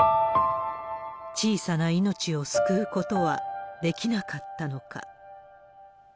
小さな命を救うことはできなかったのか。